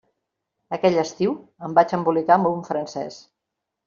Aquell estiu em vaig embolicar amb un francès.